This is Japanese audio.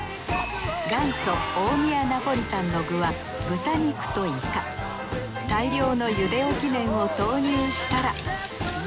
元祖大宮ナポリタンの具は豚肉とイカ大量の茹で置き麺を投入したら。